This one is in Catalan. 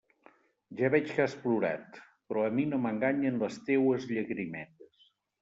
Ja veig que has plorat, però a mi no m'enganyen les teues llagrimetes.